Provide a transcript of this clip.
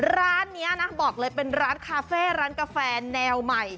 ร้านนี้นะบอกเลยเป็นร้านคาเฟ่ร้านกาแฟแนวใหม่